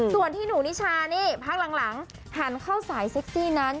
ส่วนที่หนูนิชานี่พักหลังหันเข้าสายเซ็กซี่นั้น